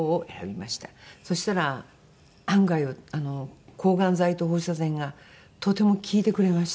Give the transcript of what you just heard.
そしたら案外抗がん剤と放射線がとても効いてくれまして。